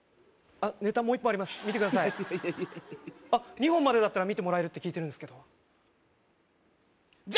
２本までだったら見てもらえるって聞いてるんですけどじゃ